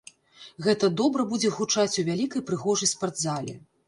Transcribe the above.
Гэта добра будзе гучаць у вялікай прыгожай спартзале.